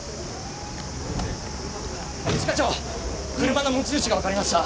車の持ち主がわかりました。